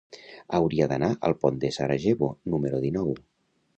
Hauria d'anar al pont de Sarajevo número dinou.